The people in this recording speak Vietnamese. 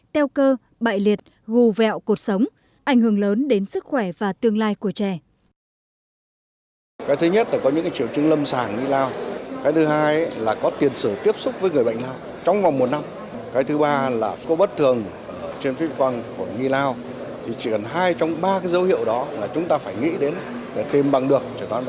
teo cơ bại liệt gù vẹo cuộc sống ảnh hưởng lớn đến sức khỏe và tương lai của trẻ